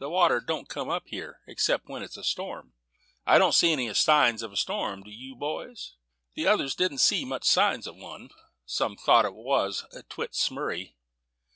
The water don't come up here, except when it's a storm. I don't see any signs of a storm do you, boys?" The others didn't see much signs of one; some thought that 'twas a little "smurry."